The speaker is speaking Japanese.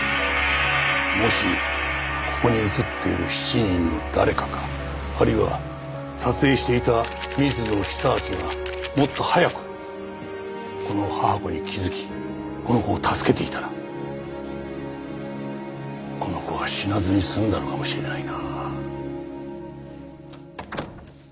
もしここに写っている７人の誰かかあるいは撮影していた水野久明がもっと早くこの母子に気づきこの子を助けていたらこの子は死なずに済んだのかもしれないな。